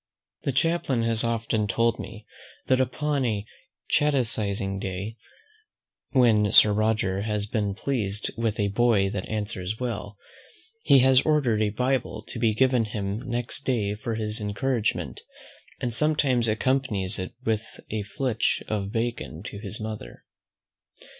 The chaplain has often told me, that upon a catechising day, when Sir Roger has been pleased with a boy that answers well, he has ordered a Bible to be given him next day for his encouragement; and sometimes accompanies it with a flitch of bacon to his mother.